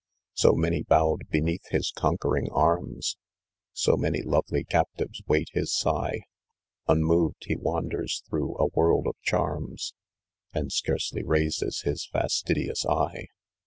So many bowed beneath his conquering arms, ' So many lovely captives wait his sigh, Unmoved he wanders through a world of charms, And scarcely raises his fastidious eye.